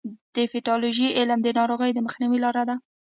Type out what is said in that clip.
د پیتالوژي علم د ناروغیو د مخنیوي لاره ده.